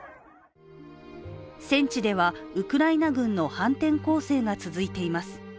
戦地ではウクライナ軍の反転攻勢が続いています。